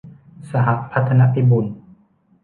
สหพัฒนพิบูล